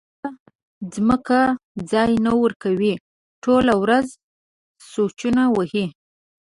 احمد ته ځمکه ځای نه ورکوي؛ ټوله ورځ سوچونه وهي.